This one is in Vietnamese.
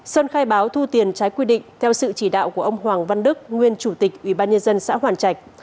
sơn khai báo thu tiền trái quy định theo sự chỉ đạo của ông hoàng văn đức nguyên chủ tịch ủy ban nhân dân xã hoàn trạch